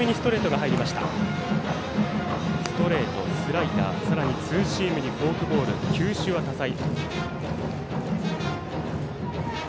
ストレート、スライダーさらにツーシームにフォークボール、球種は多彩。